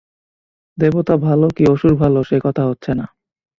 দেবতা ভাল, কি অসুর ভাল, সে কথা হচ্ছে না।